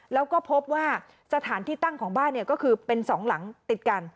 แล้วก็พบว่าสถานที่ตั้งของบ้านก็คือเป็นสองหลังติดกัน